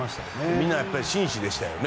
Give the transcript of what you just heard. みんな紳士でしたね。